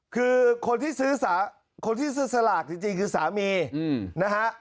คือคนที่ซื้อสลากจริงคือสามีนะฮะ